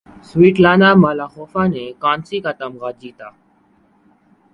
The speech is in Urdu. سویتلانا مالاخوفا نے کانسی کا تمغہ جیتا